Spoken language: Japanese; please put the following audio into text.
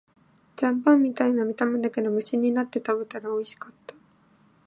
残飯みたいな見た目だけど、無心になって食べたらおいしかった